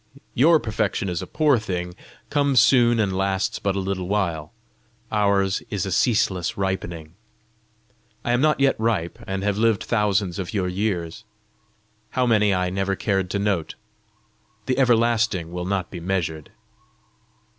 Your perfection is a poor thing, comes soon, and lasts but a little while; ours is a ceaseless ripening. I am not yet ripe, and have lived thousands of your years how many, I never cared to note. The everlasting will not be measured.